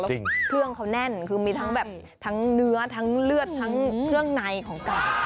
แล้วเครื่องเขาแน่นคือมีทั้งแบบทั้งเนื้อทั้งเลือดทั้งเครื่องในของเก่า